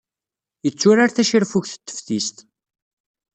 Yetturar tacirfugt n teftist.